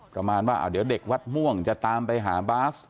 ประมาณว่าเดี๋ยวเด็กวัดม่วงจะตามไปหาบาส